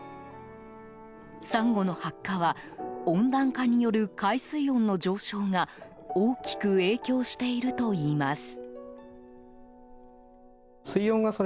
サンゴの白化は温暖化による海水温の上昇が大きく影響しているといいます。